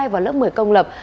vào lớp một mươi công lập